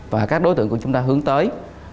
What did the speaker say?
và các đối tượng của chúng ta hướng tới